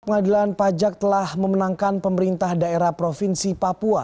pengadilan pajak telah memenangkan pemerintah daerah provinsi papua